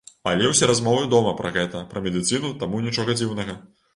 Але ўсе размовы дома пра гэта, пра медыцыну, таму нічога дзіўнага.